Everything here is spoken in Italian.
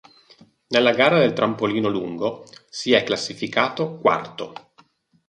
Nella gara dal trampolino lungo si è classificato quarto.